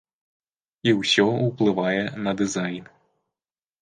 І ўсё ўплывае на дызайн.